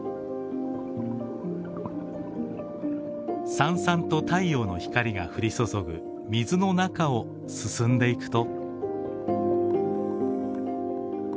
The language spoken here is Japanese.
さんさんと太陽の光が降り注ぐ水の中を進んでいくと。